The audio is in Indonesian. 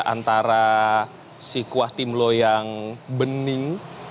antara si kuah timlo yang bening